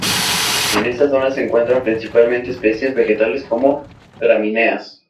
En esta zona se encuentran principalmente especies vegetales como gramíneas.